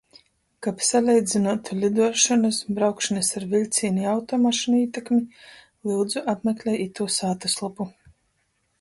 Kab saleidzynuotu liduošonys, braukšonys ar viļcīni i automašynu ītekmi, lyudzu, apmeklej itū sātyslopu.